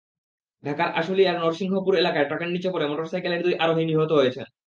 ঢাকার আশুলিয়ার নরসিংহপুর এলাকায় ট্রাকের নিচে পড়ে মোটরসাইকেলের দুই আরোহী নিহত হয়েছেন।